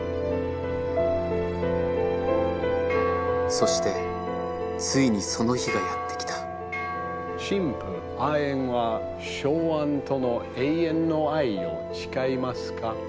そしてついにその日がやって来た新婦アエンはショウアンとの永遠の愛を誓いますか？